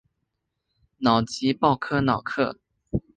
瑙吉鲍科瑙克。